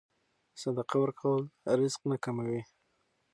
صدقه ورکول رزق نه کموي.